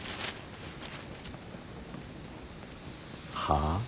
はあ？